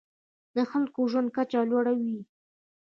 د خلکو د ژوند کچه لوړوي.